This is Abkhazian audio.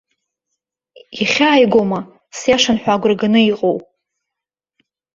Ихьааигома, сиашан ҳәа агәра ганы иҟоу?